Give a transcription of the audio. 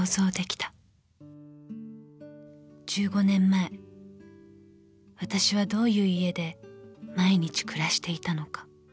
［１５年前わたしはどういう家で毎日暮らしていたのか］